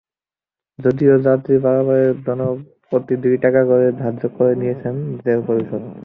যদিও যাত্রী পারাপারে জনপ্রতি দুই টাকা করে ধার্য করে দিয়েছে জেলা পরিষদ।